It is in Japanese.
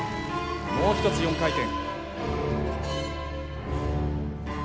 もう一つ４回転。